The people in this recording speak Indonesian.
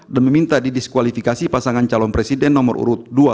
dan meminta didiskualifikasi pasangan calon presiden nomor urut dua